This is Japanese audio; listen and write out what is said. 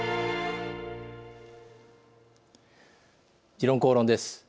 「時論公論」です。